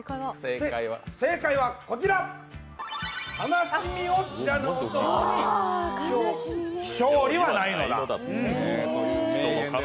正解はこちら哀しみを知らぬ男に勝利はないのだ。